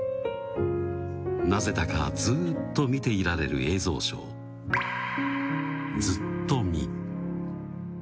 なぜだかずーっと見ていられる映像ショー、ずっとみ。